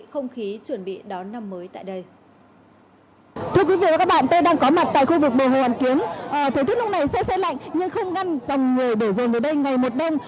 thưa quý vị và các bạn tôi đang có mặt tại khu vực bầu hồ hoàn kiếm thời tiết lúc này xe xe lạnh nhưng không ngăn dòng người để dồn vào đây ngày một đêm